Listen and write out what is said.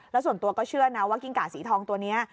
แล้วส่วนตัวก็เชื่อนะว่ากิ้งก่าสีทองตัวนี้